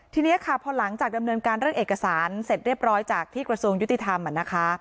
ทีนี้ค่ะพอหลังจากดำเนินการเรื่องเอกสารเสร็จเรียบร้อยจากที่กระทรวงยุติธรรมนะคะ